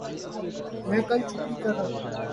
میں کل چھٹی کر ریا ہوں